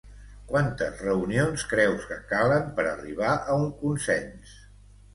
Quantes reunions creus que calen per arribar a un consens?